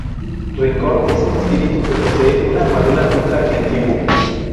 Rencor es un espíritu que posee una armadura un traje antiguo.